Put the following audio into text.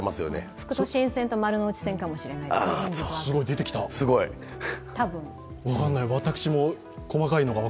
副都心線と丸ノ内線かもしれないですね、多分。